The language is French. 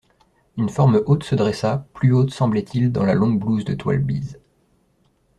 Une forme haute se dressa, plus haute semblait-il, dans la longue blouse de toile bise.